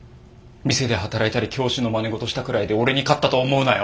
店で働いたり教師のまねごとしたくらいで俺に勝ったと思うなよ。